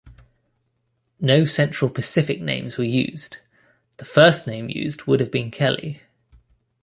No central Pacific names were used; the first name used would have been Keli.